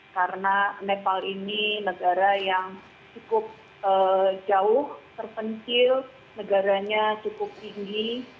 karena nepal ini negara yang cukup jauh terpencil negaranya cukup tinggi